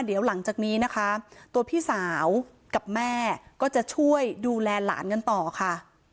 เดี๋ยวหลังจากนี้นะคะตัวพี่สาวกับแม่ก็จะช่วยดูแลหลานกันต่อค่ะ